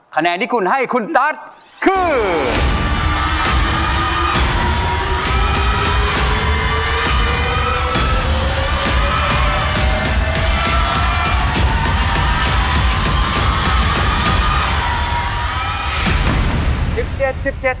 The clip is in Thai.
คะแนนที่คุณให้คุณตั๊ดคือ